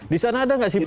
di sana ada nggak sih pak